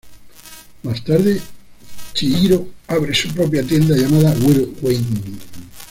Más tarde, Chihiro abre su propia tienda llamada Whirlwind.